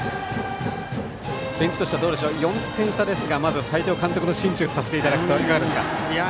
ベンチとしては、４点差ですが斎藤監督の心中を察していただくといかがでしょうか？